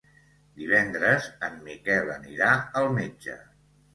Divendres en Miquel anirà al metge.